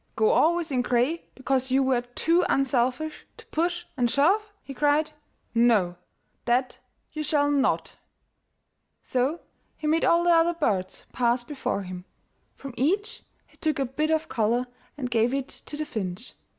"Go always in gray because you were too unselfish to push and shove !'* he cried. ''No ! that you shall not !'' So he made all the other birds pass before him. From each he took a bit of color and gave it to the finch.